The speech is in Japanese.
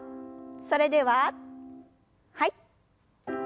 それでははい。